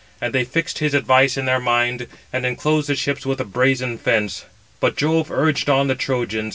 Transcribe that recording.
And they fixed his advice in their mind, and enclosed the ships with a brazen fence; but Jove urged on the Trojans.